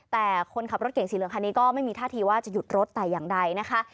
แต่คนขับรถเก่งสีเหลืองคันนี้ก็ไม่มีท่าทีว่าจะหยุดรถแต่อย่างใดนะคะ